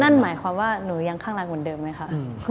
นั่นหมายความว่าหนูยังข้างรักเหมือนเดิมไหมคะ